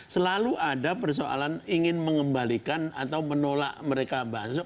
selalu ada persoalan ingin mengembalikan atau menolak mereka masuk